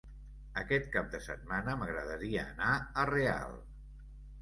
Aquest cap de setmana m'agradaria anar a Real.